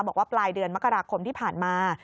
บอกว่าปลายเดือนมกราคมที่ผ่านมา